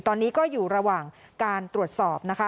ตอนนี้ก็อยู่ระหว่างการตรวจสอบนะคะ